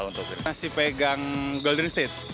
masih pegang golden state